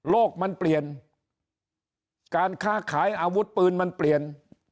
มันเปลี่ยนการค้าขายอาวุธปืนมันเปลี่ยน